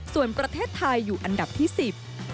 ส่วนประเทศไทยอยู่อันดับที่สิบ